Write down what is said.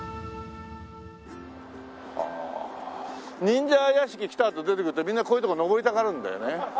忍者屋敷来たあと出てくるとみんなこういうとこ登りたがるんだよね。